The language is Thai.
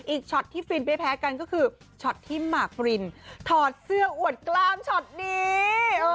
ช็อตที่ฟินไม่แพ้กันก็คือช็อตที่หมากปรินถอดเสื้ออวดกล้ามช็อตนี้